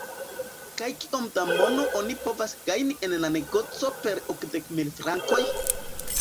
kaj kiom da mono oni povas gajni en la negoco per okdek mil frankoj?